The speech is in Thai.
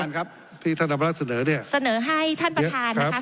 ครับที่ท่านอำนาจเสนอเนี้ยเสนอให้ท่านประชาญนะคะ